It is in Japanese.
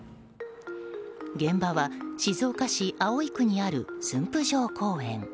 現場は静岡市葵区にある駿府城公園。